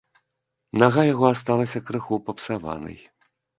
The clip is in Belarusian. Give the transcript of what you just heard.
Нага яго асталася крыху папсаванай.